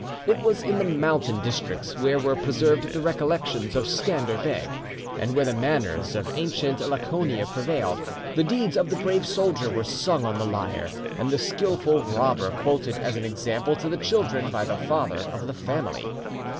It was in the mountain districts where were preserved the recollections of Scander Beg, and where the manners of ancient Laconia prevailed; the deeds of the brave soldier were sung on the lyre, and the skilful robber quoted as an example to the children by the father of the family.